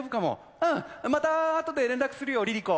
うんまたあとで連絡するよＬｉＬｉＣｏ。